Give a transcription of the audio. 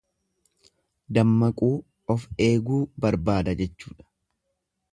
Dammaquu, of eeguu barbaada jechuudha.